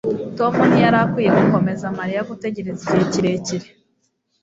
Tom ntiyari akwiye gukomeza Mariya gutegereza igihe kirekire.